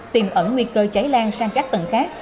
tìm ẩn nguy cơ cháy lan sang các tầng khác